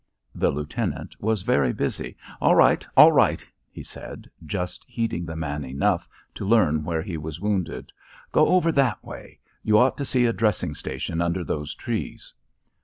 The lieutenant was very busy. "All right, all right," he said, just heeding the man enough to learn where he was wounded. "Go over that way. You ought to see a dressing station under those trees."